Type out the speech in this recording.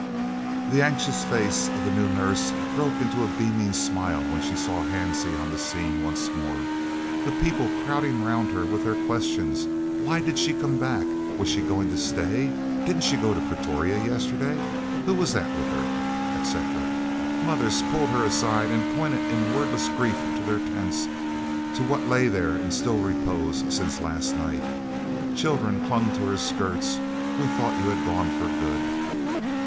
The anxious face of the "new nurse" broke into a beaming smile when she saw Hansie on the scenes once more, the people crowding round her with their questions. Why did she come back? Was she going to stay? Didn't she go to Pretoria yesterday? Who was that with her? etc. Mothers pulled her aside and pointed in wordless grief to their tents, to what lay there in still repose since last night. Children clung to her skirts "We thought you had gone for good."